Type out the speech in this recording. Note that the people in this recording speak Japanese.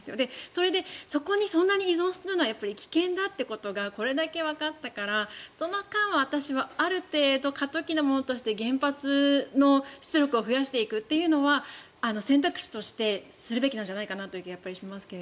それでそこにそんなに依存するのは危険だということがこれだけわかったから、その間は私はある程度過渡期のものとして原発の出力を増やしていくのは選択肢としてするべきなんじゃないかなと思います。